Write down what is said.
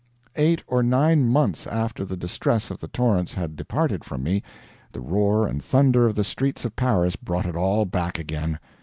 Eight or nine months after the distress of the torrents had departed from me, the roar and thunder of the streets of Paris brought it all back again.